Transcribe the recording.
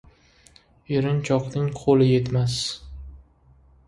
Erinchoqning qo'li yetmas.